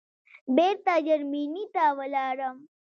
بېرته جرمني ته ولاړم.